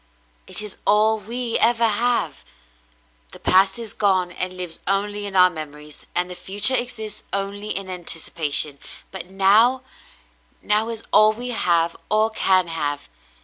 It is all we ever have. The past is gone, and lives only in our memories, and the future exists only in anticipation ; but now — now is all we have or can have.